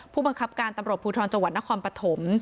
ผู้บังคับการตำรวจภูทรจังหวัดนครปฐม